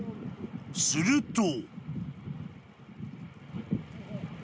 ［すると］